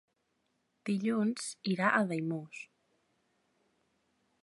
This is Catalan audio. Dilluns irà a Daimús.